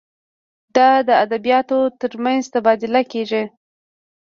د ادبیاتو تر منځ تبادله کیږي.